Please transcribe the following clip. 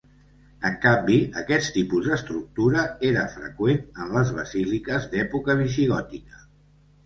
En canvi, aquest tipus d'estructura era freqüent en les basíliques d'època visigòtica.